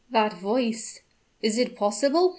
"That voice! is it possible?"